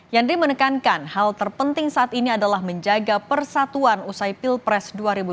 yandri menekankan hal terpenting saat ini adalah menjaga persatuan usai pilpres dua ribu dua puluh